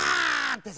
ってさ。